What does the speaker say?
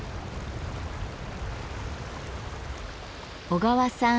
小川さん